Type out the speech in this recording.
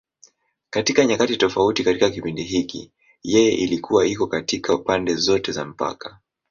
Katika nyakati tofauti katika kipindi hiki, yeye ilikuwa iko katika pande zote za mpaka.